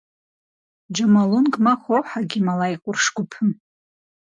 Джомолунгмэ хохьэ Гималай къурш гупым.